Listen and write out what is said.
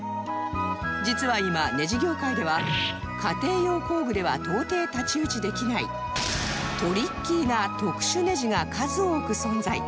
実は今ネジ業界では家庭用工具では到底太刀打ちできないトリッキーな特殊ネジが数多く存在！